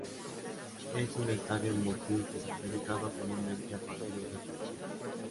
Es un estadio multiuso, dedicado comúnmente a partidos de fútbol.